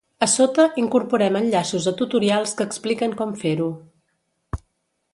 A sota incorporem enllaços a tutorials que expliquen com fer-ho.